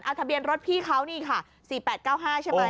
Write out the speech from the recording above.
ทะเบียนรถพี่เขานี่ค่ะ๔๘๙๕ใช่ไหม